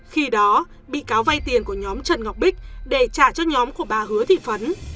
khi đó bị cáo vay tiền của nhóm trần ngọc bích để trả cho nhóm của bà hứa thị phấn